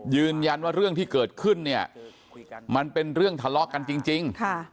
ยืนยันว่าเรื่องที่เกิดขึ้นเนี่ยมันเป็นเรื่องทะเลาะกันจริง